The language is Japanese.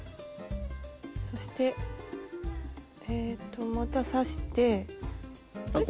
そしてえっとまた刺してあれ？